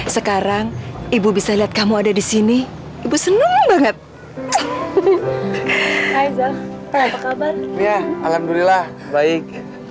sekarang ibu bisa lihat kamu ada di sini ibu seneng banget hai apa kabar ya alhamdulillah baik